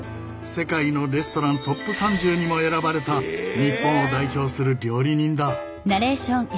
世界のレストラントップ３０にも選ばれた日本を代表する料理人だ。